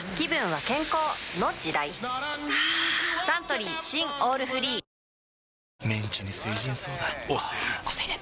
はぁサントリー新「オールフリー」推せる！！